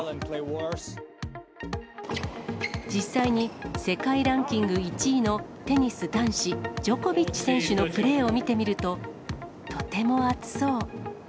実際に世界ランキング１位のテニス男子、ジョコビッチ選手のプレーを見てみると、とても暑そう。